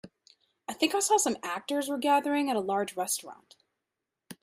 I think I saw some actors were gathering at a large restaurant.